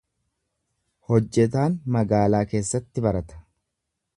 Hojjetaan magaalaa keessatti barata.